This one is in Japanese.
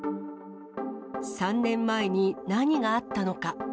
３年前に何があったのか。